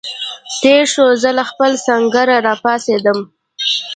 تېر شو، زه له خپل سنګره را پاڅېدم.